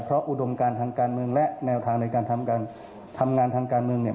เพราะอุดมการทางการเมืองและแนวทางในการทำการทำงานทางการเมืองเนี่ย